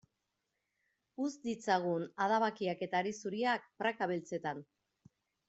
Utz ditzagun adabakiak eta hari zuriak praka beltzetan.